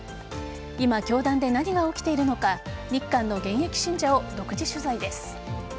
今、教団で何が起きているのか日韓の現役信者を独自取材です。